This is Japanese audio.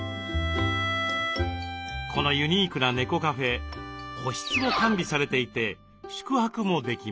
このユニークな猫カフェ個室も完備されていて宿泊もできます。